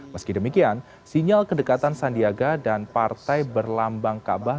meski demikian sinyal kedekatan sandiaga dan partai berlambang kabah